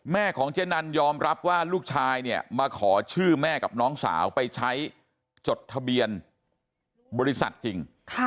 ของเจ๊นันยอมรับว่าลูกชายเนี่ยมาขอชื่อแม่กับน้องสาวไปใช้จดทะเบียนบริษัทจริง